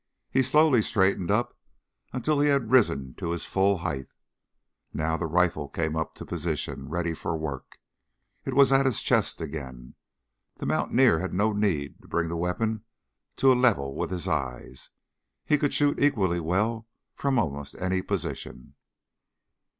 He slowly straightened up until he had risen to his full height. Now the rifle came up to position, ready for work. It was at his chest again. The mountaineer had no need to bring the weapon to a level with his eyes. He could shoot equally well from almost any position.